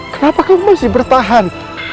kenapa kamu masih bertahan